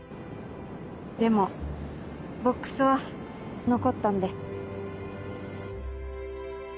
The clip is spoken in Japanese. でもボックスは残ったんで。